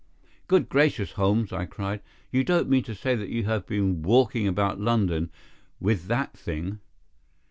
"Good gracious, Holmes!" I cried. "You don't mean to say that you have been walking about London with that thing?"